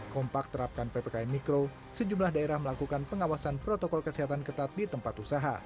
kompak terapkan ppkm mikro sejumlah daerah melakukan pengawasan protokol kesehatan ketat di tempat usaha